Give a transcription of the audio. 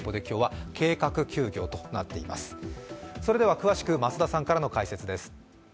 詳しく増田さんからの解説です。